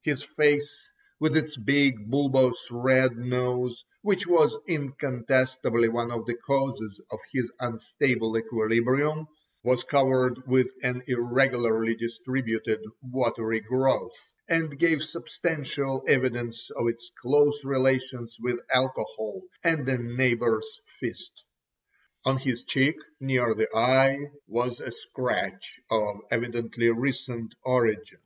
His face, with its big, bulbous red nose, which was incontestably one of the causes of his unstable equilibrium, was covered with an irregularly distributed watery growth, and gave substantial evidence of its close relations with alcohol and a neighbour's fist. On his cheek near the eye was a scratch of evidently recent origin.